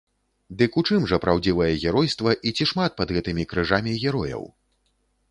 Дык у чым жа праўдзівае геройства і ці шмат пад гэтымі крыжамі герояў?